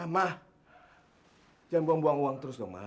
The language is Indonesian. ma jangan buang buang uang terus dong ma